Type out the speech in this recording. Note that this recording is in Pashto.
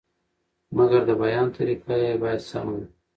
مګر د بیان طریقه یې باید سمه وي.